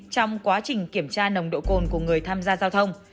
trong quá trình kiểm tra nồng độ cồn của người tham gia giao thông